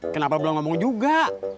kenapa belum ngomong juga